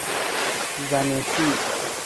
زنشی